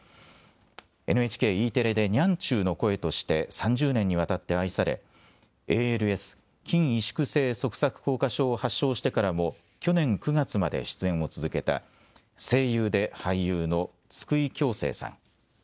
ＮＨＫ、Ｅテレでニャンちゅうの声として３０年にわたって愛されＡＬＳ・筋萎縮性側索硬化症を発症してからも去年９月まで出演を続けた声優で俳優の津久井教生さん。